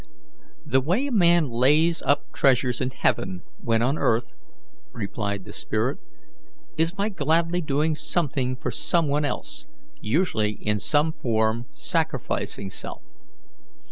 "The way a man lays up treasures in heaven, when on earth," replied the spirit, "is by gladly doing something for some one else, usually in some form sacrificing self.